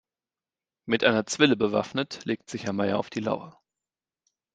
Mit einer Zwille bewaffnet legt sich Herr Meier auf die Lauer.